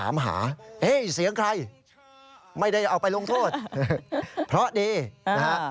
ไม่ได้เอาไปลงโทษเพราะดีนะฮะ